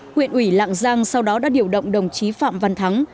huyện ủy lạng giang sau đó đã điều động đồng chí phạm văn thắng